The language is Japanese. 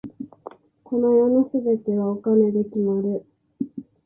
この世の全てはお金で決まる。